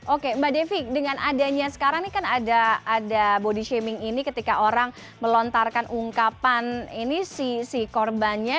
oke mbak devi dengan adanya sekarang ini kan ada body shaming ini ketika orang melontarkan ungkapan ini si korbannya